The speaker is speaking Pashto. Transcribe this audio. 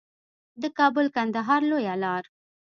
د کابل کندهار لویه لار